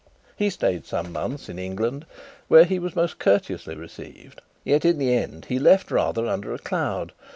He stayed some months in England, where he was most courteously received; yet, in the end, he left rather under a cloud.